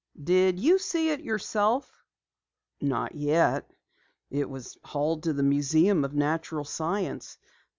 "Did you see it yourself?" "Not yet. It was hauled to the Museum of Natural Science.